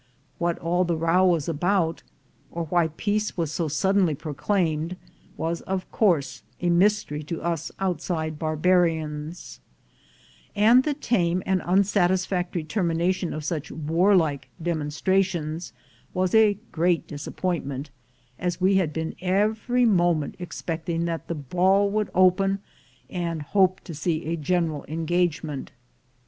What all the row was about, or why peace was so suddenly proclaimed, was of course a mj'stery to us outside barbarians; and the tame and unsatisfactory termination of such warlike demonstrations was a great disappointment, as we had been every moment expecting that the ball would open, and hoped to see a general engagemicnt.